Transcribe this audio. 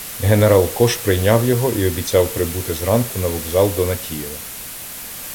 Генерал Кош прийняв його і обіцяв прибути зранку на вокзал до Натієва.